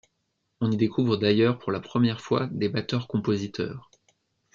On y découvre d’ailleurs pour la première fois des batteurs compositeurs.